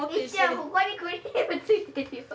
ここにクリームついてるよ。